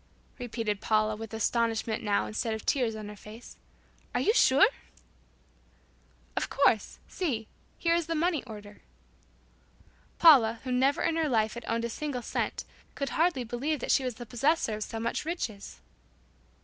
repeated Paula, with astonishment now instead of tears on her face, "Are you sure?" "Of course. See. Here is the money order." Paula, who never in her life had owned a single cent, could hardly believe that she was the possessor of so much riches!